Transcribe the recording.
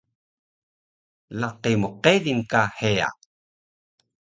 laqi mqedil ka heya